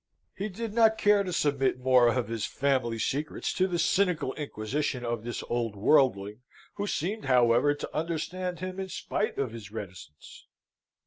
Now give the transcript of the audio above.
He did not care to submit more of his family secrets to the cynical inquisition of this old worldling, who seemed, however, to understand him in spite of his reticence.